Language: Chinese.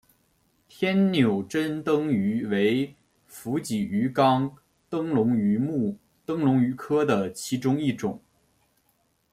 天纽珍灯鱼为辐鳍鱼纲灯笼鱼目灯笼鱼科的其中一种。